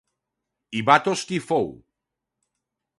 I Batos qui fou?